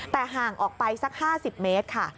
แต่ห่างออกไปสัก๕๐เมตรค่ะ